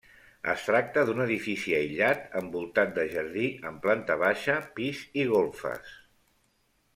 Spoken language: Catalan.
Es tracta d'un edifici aïllat envoltat de jardí amb planta baixa, pis i golfes.